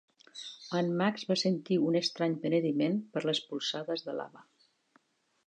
En Max va sentir un estrany penediment per les polzades de l'Ava.